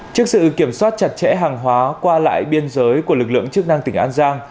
trước sự kiểm soát chặt chẽ hàng hóa qua lại biên giới của lực lượng chức năng tỉnh an giang